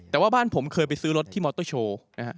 แต่ว่าบ้านผมเคยไปซื้อรถที่มอโต้โชว์